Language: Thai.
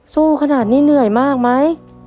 สู้ขนาดนี้เหนื่อยมากไหม